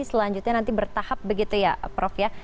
selanjutnya nanti bertahap begitu ya prof ya